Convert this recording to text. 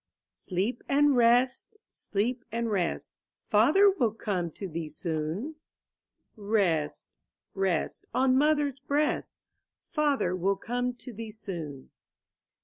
if. Sleep and rest, sleep and rest. Father will come to thee soon; Rest, rest on mother's breast. Father will come to thee soon.